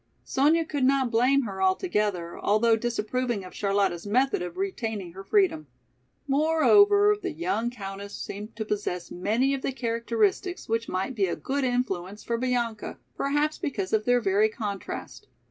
Sonya could not blame her altogether, although disapproving of Charlotta's method of retaining her freedom. Moreover, the young countess seemed to possess many of the characteristics which might be a good influence for Bianca, perhaps because of their very contrast.